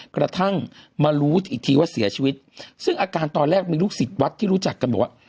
กระทั่งมารู้อีกทีว่าเสียชีวิตซึ่งอาการตอนแรกมีลูกศิษย์วัดที่รู้จักกันบอกว่า